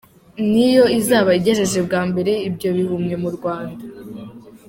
Ni yo izaba igejeje bwa mbere ibyo bihumyo mu Rwanda.